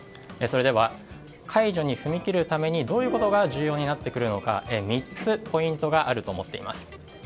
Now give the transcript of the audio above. それでは、解除に踏み切るためにどういうことが重要になってくるのか３つポイントがあると思っています。